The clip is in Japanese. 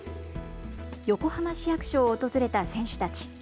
横浜市役所を訪れた選手たち。